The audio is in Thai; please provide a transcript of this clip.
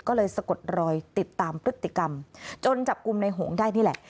ก็เลยสะกดรอยติดตามพฤติกรรมจนจับกลุ่มในโหงได้นี่แหละ